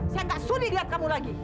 saya gak sulit lihat kamu lagi